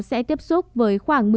sẽ tiếp xúc với khoảng một mươi chín